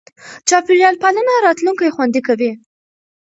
چاپېریال پالنه راتلونکی خوندي کوي.